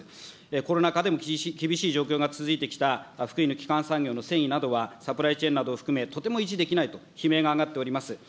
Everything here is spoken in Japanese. コロナ禍でも厳しい状況が続いてきた福井の基幹産業の繊維などはサプライチェーンなどを含め、とても維持できないと悲鳴が上がっております。